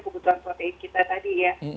kebutuhan protein kita tadi ya